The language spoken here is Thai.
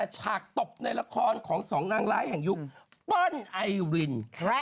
ฉากตบในละครของสองนางรายแห่งยุคอายวินคค